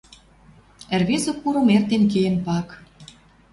Ӹрвезӹ курым эртен кеен пак.